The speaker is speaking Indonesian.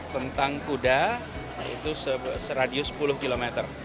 tentang kuda itu seradius sepuluh km